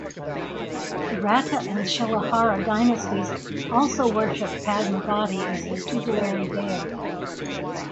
The Ratta and Shilahara dynasties also worshiped Padmavati as their tutelary deity.